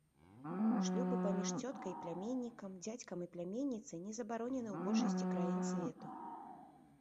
Шлюбы паміж цёткай і пляменнікам, дзядзькам і пляменніцай не забаронены ў большасці краін свету.